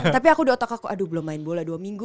tapi aku di otak aku aduh belum main bola dua minggu